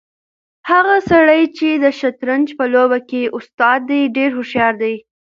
هغه سړی چې د شطرنج په لوبه کې استاد دی ډېر هوښیار دی.